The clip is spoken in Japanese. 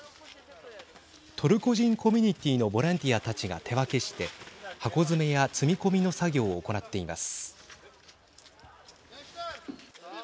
トルコ人コミュニティーのボランティアたちが手分けして箱詰めや積み込みの作業を行っています。